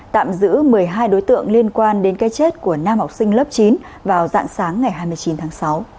tạm giữ một mươi hai đối tượng liên quan đến cây chết của nam học sinh lớp chín vào dạng sáng ngày hai mươi chín tháng sáu